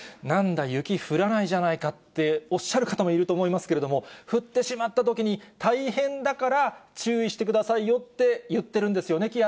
なんだ雪降らないじゃないかっておっしゃる方もいると思いますけれども、降ってしまったときに、大変だから、注意してくださいよって言ってるんですよね？